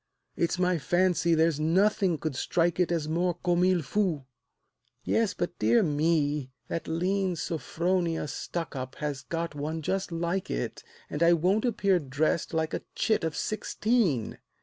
It's my fancy, there's nothing could strike it As more comme il faut" "Yes, but, dear me, that lean Sophronia Stuckup has got one just like it, And I won't appear dressed like a chit of sixteen."